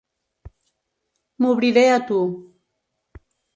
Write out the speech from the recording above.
M'obriré a tu.